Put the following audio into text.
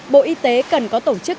bộ y tế cần có tổ chức